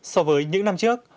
so với những năm trước